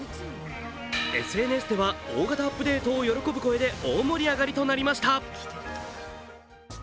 ＳＮＳでは大型アップデートを喜ぶ声で大盛り上がりとなりました。